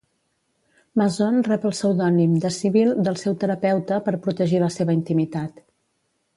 Mason rep el pseudònim de "Sybil" del seu terapeuta per protegir la seva intimitat.